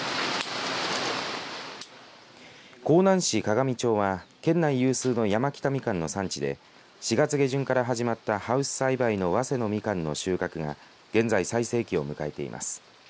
香南市香我美町は県内有数の山北みかんの産地で４月下旬から始まったハウス栽培のわせのみかんの収穫が現在最盛期を迎えています。